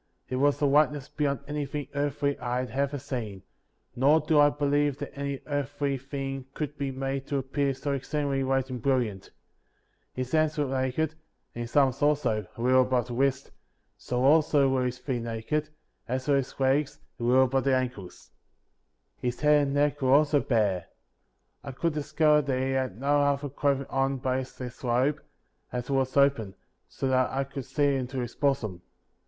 It was a whiteness beyond anything earthly I had ever seen; nor do I believe that any earthly thing could be made to appear so exceed ingly white and brilliant. His hands were naked, and his arms also, a little above the wrist; so, also, were his feet naked, as were his legs, a little above the ankles. His head and neck were also bare. I could discover that he had no other clothing on but this robe, as it was open, so that I could see into his bosom.